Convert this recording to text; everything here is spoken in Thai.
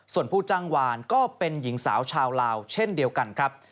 ส่วนผู้จ้างวานก็เป็นหญิงสาวชาวลาวเช่นเดียวกันครับ